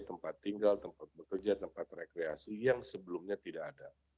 tempat tinggal tempat bekerja tempat rekreasi yang sebelumnya tidak ada